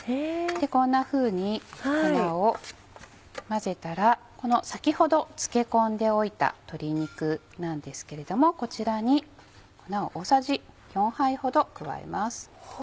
こんなふうに粉を混ぜたら先ほど漬け込んでおいた鶏肉なんですけれどもこちらに粉を大さじ４杯ほど加えます。